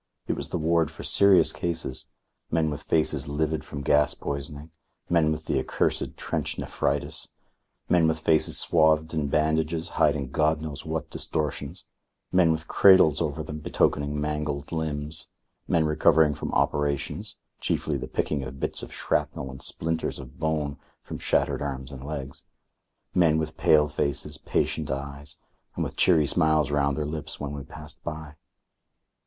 It was the ward for serious cases men with faces livid from gas poisoning, men with the accursed trench nephritis, men with faces swathed in bandages hiding God knows what distortions, men with cradles over them betokening mangled limbs, men recovering from operations, chiefly the picking of bits of shrapnel and splinters of bone from shattered arms and legs; men with pale faces, patient eyes, and with cheery smiles round their lips when we passed by.